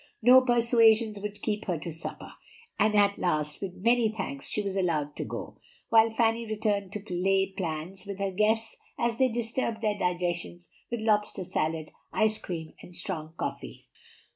No persuasions would keep her to supper; and at last, with many thanks, she was allowed to go, while Fanny returned to lay plans with her guests as they disturbed their digestions with lobster salad, ice cream, and strong coffee.